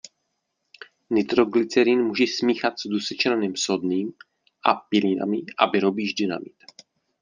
Nitroglycerin můžeš smíchat s dusičnanem sodným a pilinami a vyrobíš dynamit.